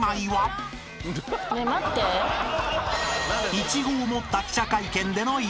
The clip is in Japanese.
［イチゴを持った記者会見での一枚］